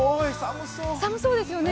寒そうですよね。